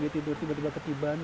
tidur tiba tiba ketiban